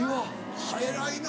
偉いな。